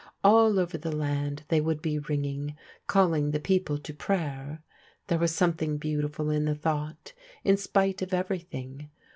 All over the land they would be ringing, calling the people to prayer. There was something beautiful in the thought, in spite of every thing.